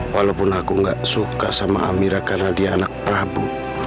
walaupun aku gak suka sama amira karena dia anak prabu